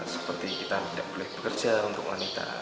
seperti kita tidak boleh bekerja untuk wanita